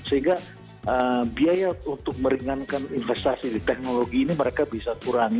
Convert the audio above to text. sehingga biaya untuk meringankan investasi di teknologi ini mereka bisa kurangi